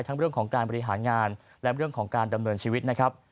เรื่องของการบริหารงานและเรื่องของการดำเนินชีวิตนะครับ